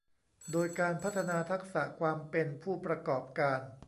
โดยการพัฒนาทักษะความเป็นผู้ประกอบการ